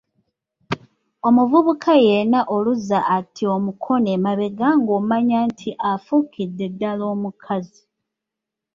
Omuvubuka yenna oluzza ati omukono emabega ng'omanya nti afuukidde ddala omukazi.